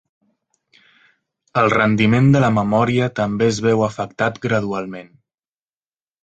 El rendiment de la memòria també es veu afectat gradualment.